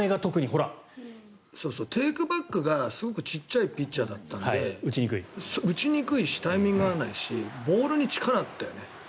テイクバックがすごい小さいピッチャーだったので打ちにくいしタイミングが合わないしボールに力があって。